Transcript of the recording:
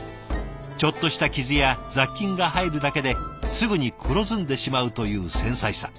ちょっとした傷や雑菌が入るだけですぐに黒ずんでしまうという繊細さ。